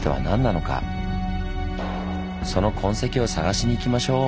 その痕跡を探しに行きましょう。